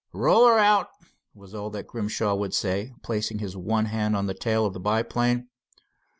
"Roll her out," was all that Grimshaw would say, placing his one hand on the tail of the biplane.